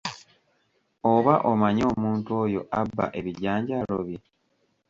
Oba amanyi omuntu oyo abba ebijanjaalo bye.